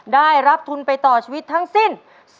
ได้รับทุนไปต่อชีวิตทั้งสิ้น